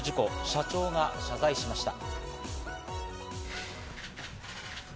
社長が謝罪しました。